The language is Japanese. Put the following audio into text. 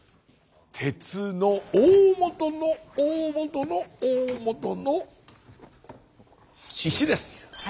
鉄の大本の大本の大本の石です！